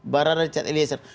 barang dari chad eliezer